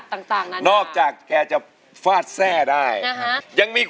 กว่าจะจบรายการเนี่ย๔ทุ่มมาก